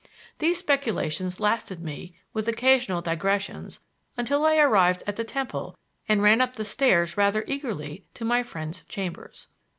These speculations lasted me, with occasional digressions, until I arrived at the Temple and ran up the stairs rather eagerly to my friends' chambers.